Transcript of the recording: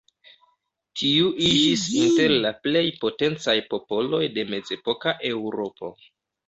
Tiu iĝis inter la plej potencaj popoloj de mezepoka Eŭropo.